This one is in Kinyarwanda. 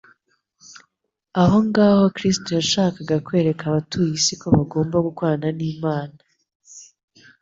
Aho ngaho Kristo yashakaga kwereka abatuye isi ko bagomba gukorana n'Imana.